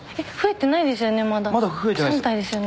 まだ増えてないですよ。